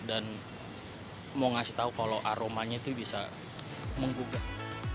dan mau ngasih tahu kalau aromanya itu bisa menggugah